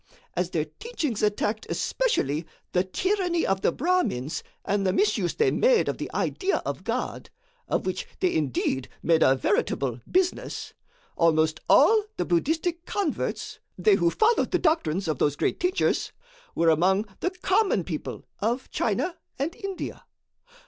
As their teachings attacked especially the tyranny of the Brahmins and the misuse they made of the idea of God of which they indeed made a veritable business almost all the Buddhistic converts, they who followed the doctrines of those great teachers, were among the common people of China and India.